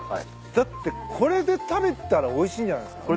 だってこれで食べたらおいしいんじゃないっすか？